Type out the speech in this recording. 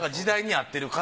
合ってる。